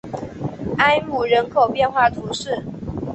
埃姆人口变化图示